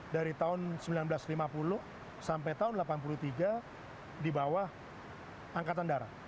dari tahun seribu sembilan ratus lima puluh sampai tahun seribu sembilan ratus delapan puluh tiga di bawah angkatan darat